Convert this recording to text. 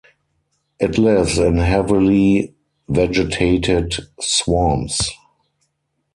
It lives in heavily vegetated swamps.